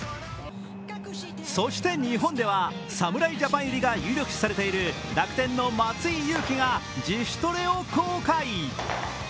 そして日本では侍ジャパン入りが有力視されている楽天の松井裕樹が自主トレを公開。